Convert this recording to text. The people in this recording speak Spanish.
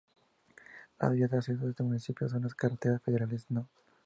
Las vías de acceso a este municipio son las carreteras federales No.